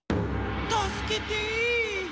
たすけて！